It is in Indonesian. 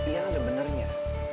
yang ada benernya